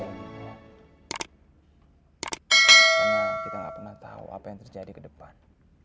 karena kita nggak pernah tahu apa yang terjadi ke depan